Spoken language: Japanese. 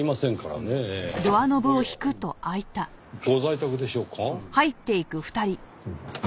おやご在宅でしょうか。